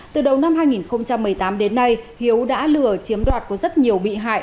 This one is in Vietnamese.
từ đầu năm hai nghìn một mươi tám đến nay hiếu đã lừa chiếm đoạt của rất nhiều bị hại